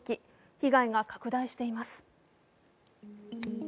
被害が拡大しています。